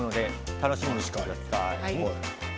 楽しみにしていてください。